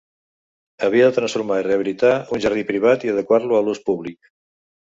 Havia de transformar i rehabilitar un jardí privat i adequar-lo a l'ús públic.